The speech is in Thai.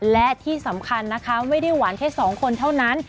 และที่สำคัญนะคะไม่ได้หวานแค่สองคนเท่านั้น